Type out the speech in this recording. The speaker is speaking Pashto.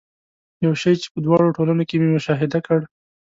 یو شی چې په دواړو ټولنو کې مې مشاهده کړ.